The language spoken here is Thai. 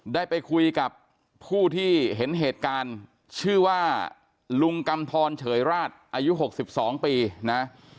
ได้ไปคุยกับผู้ที่เห็นเหตุการณ์ชื่อว่าลุงกำทรเฉยราชอายุ๖๒ปีนะ